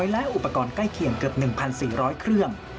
และอุปกรณ์ใกล้เคียงเกือบ๑๔๐๐เครื่อง